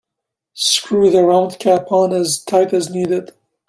Screw the round cap on as tight as needed.